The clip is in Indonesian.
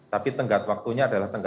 tapi tenggat waktunya adalah